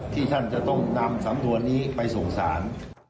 ที่ท่านจะต้องนำสำนวนนี้ไปส่งสาร